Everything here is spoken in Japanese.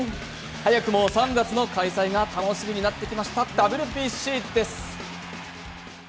早くも３月の開催が楽しみになってきましたＷＢＣです。